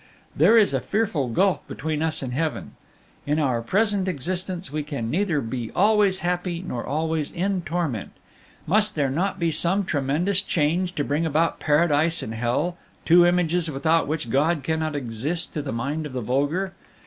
There is a fearful gulf between us and heaven. In our present existence we can neither be always happy nor always in torment; must there not be some tremendous change to bring about Paradise and Hell, two images without which God cannot exist to the mind of the vulgar?